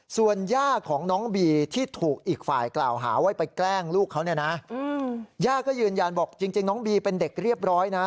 ส่วนย่าของน้องบีที่ถูกอีกฝ่ายกล่าวหาว่าไปแกล้งลูกเขาเนี่ยนะย่าก็ยืนยันบอกจริงน้องบีเป็นเด็กเรียบร้อยนะ